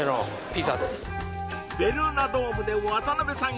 ベルーナドームで渡辺さん